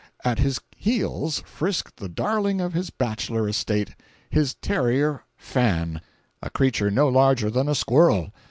At his heels frisked the darling of his bachelor estate, his terrier "Fan," a creature no larger than a squirrel.